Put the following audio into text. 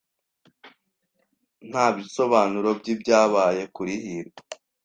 Nta bisobanuro byibyabaye kuri hirwa.